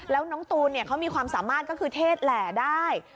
แล้วน้องตูนเขามีความสามารถก็คือเทศแหล่ได้